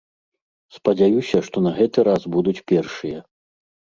Спадзяюся, што на гэты раз будуць першыя.